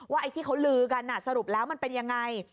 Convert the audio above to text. ไอ้ที่เขาลือกันสรุปแล้วมันเป็นยังไง